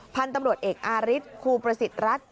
พันธุ์ตำรวจเอกอาริสครูประสิทธิ์รัฐ